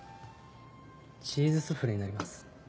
チーズスフレになります。